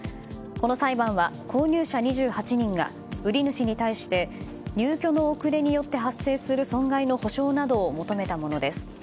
この裁判は購入者２８人が売主に対して入居の遅れによって発生する損害の補償などを求めたものです。